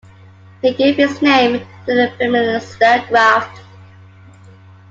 He gave his name to the Phemister graft.